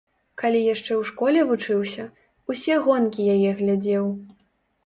Калі яшчэ ў школе вучыўся, усе гонкі яе глядзеў.